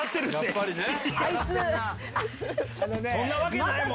そんなわけないもんね？